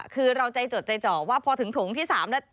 คือเราใจจดใจจ่อว่าพอถึงโถงที่๓แล้ว